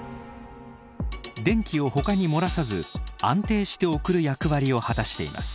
電気をほかに漏らさず安定して送る役割を果たしています。